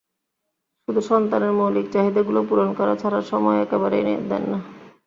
শুধু সন্তানের মৌলিক চাহিদাগুলো পূরণ করা ছাড়া সময় একেবারেই দেন না।